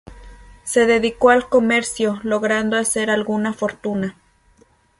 Se dedicó al comercio, logrando hacer alguna fortuna.